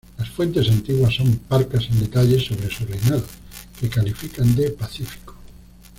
Las fuentes antiguas son parcas en detalles sobre su reinado, que califican de pacífico.